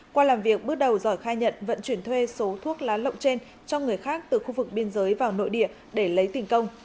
qua làm việc bước đầu giỏi khai nhận vận chuyển thuê số thuốc lá lậu trên cho người khác từ khu vực biên giới vào nội địa để lấy tình công